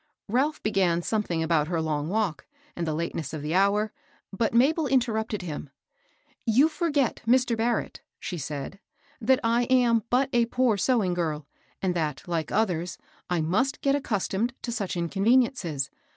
Ralph began something about her long walk, and the lateness of the hour, but Mabel interrupted him, —" You forget, Mr. Barrett," she said, " that I am but a poor sewing girl, and that, like others, I must get accustomed to such inconveniences.